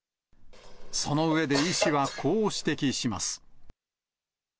その上で医師は、こう指摘します。